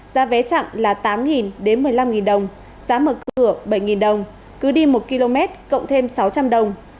giá vé chặn là tám đến một mươi năm đồng giá mở cửa bảy đồng cứ đi một km cộng thêm sáu trăm linh đồng